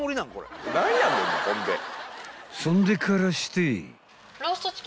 ［そんでからして］